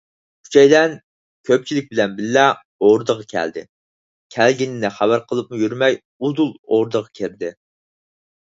ئۈچەيلەن كۆپچىلىك بىلەن بىللە ئوردىغا كەلدى، كەلگىنىنى خەۋەر قىلىپمۇ يۈرمەي ئۇدۇل ئوردىغا كىردى.